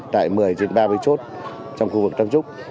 tại một mươi trên ba mươi chốt trong khu vực tam trúc